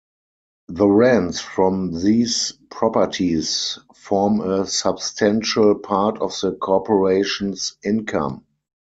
The rents from these properties form a substantial part of the corporation's income.